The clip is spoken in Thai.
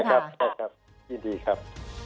ใช่ครับยินดีครับ